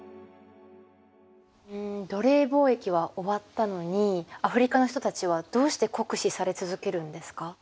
うん奴隷貿易は終わったのにアフリカの人たちはどうして酷使され続けるんですか？